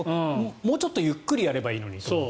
もうちょっとゆっくりやればいいのにと。